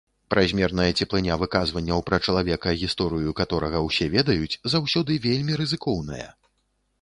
Празмерная цеплыня выказванняў пра чалавека, гісторыю каторага ўсе ведаюць, заўсёды вельмі рызыкоўная.